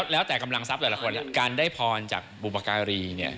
แล้วแต่กำลังทรัพย์หลายคนการได้พรจากบุปการีเนี่ย